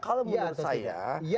kalau menurut saya